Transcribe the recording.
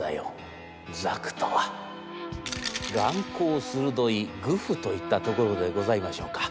「眼光鋭いグフといったところでございましょうか。